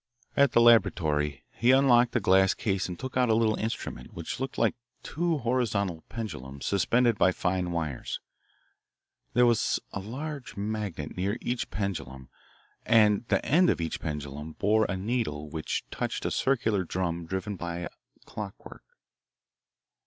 At the laboratory he unlocked a glass case and took out a little instrument which looked like two horizontal pendulums suspended by fine wires. There was a large magnet near each pendulum, and the end of each pendulum bore a needle which touched a circular drum driven by clock work.